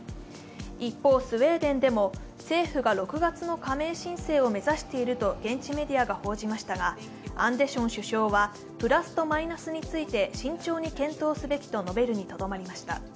一方、スウェーデンでも政府が６月の加盟申請を目指していると現地メディアが報じましたが、アンデション首相はプラスとマイナスについて慎重に検討すべきと述べるにとどまりました。